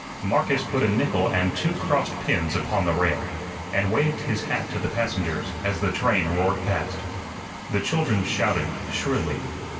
Marcus put a nickel and two crossed pins upon the rail, and waved his hat to the passengers as the train roared past. The children shouted shrilly.